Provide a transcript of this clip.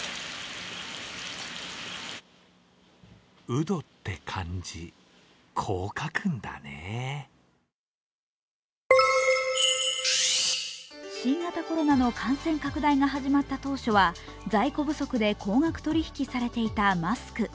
うどって漢字こう書くんだね新型コロナの感染拡大が始まった当初は、在庫不足で高額取引きされていたマスク。